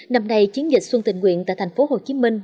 năm nay chiến dịch xuân tình nguyện tại thành phố hồ chí minh